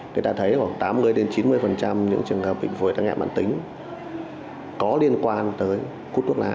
người ta thấy khoảng tám mươi chín mươi những trường hợp bệnh phổi tắc nghén man tính có liên quan tới hút thuốc lá